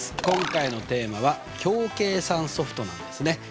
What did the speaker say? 今回のテーマは「表計算ソフト」なんですね。